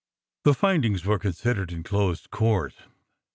"The findings were considered in closed court.